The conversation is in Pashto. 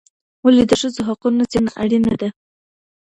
ولي د ښځو حقوقو څیړنه اړینه ده؟